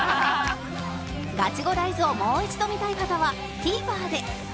『ガチゴライズ』をもう一度見たい方は ＴＶｅｒ で